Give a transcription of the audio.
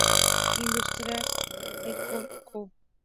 Industrial Alcohol Co.